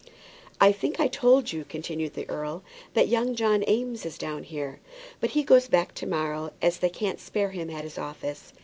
"I think I told you," continued the earl, "that young John Eames is down here; but he goes back to morrow, as they can't spare him at his office.